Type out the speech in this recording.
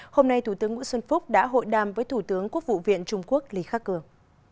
hôm nay thủ tướng nguyễn xuân phúc đã hội đàm với thủ tướng quốc vụ viện trung quốc lý khắc cường